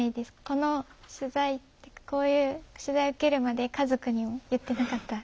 この取材こういう取材受けるまで家族にも言ってなかった。